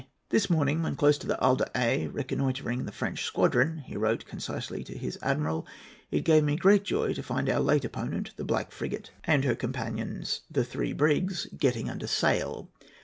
"This morning, when close to Isle d'Aix, reconnoitring the French squadron," he wrote concisely to his admiral, "it gave me great joy to find our late opponent, the black frigate, and her companions, the three brigs, getting under sail.